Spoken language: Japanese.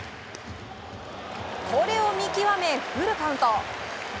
これを見極めフルカウント。